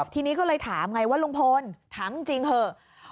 ทีนี้ก็เลยถามไงว่าลุงพลถามจริงเถอะ